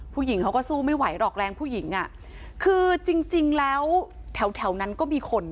ผู้หญิงเขาก็สู้ไม่ไหวหรอกแรงผู้หญิงอ่ะคือจริงจริงแล้วแถวแถวนั้นก็มีคน